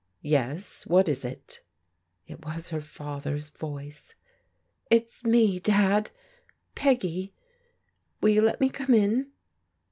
"Yes, what is it?*' It was her father's voice. "It's me. Dad. ... Poggy. ... Will yott let me come in?"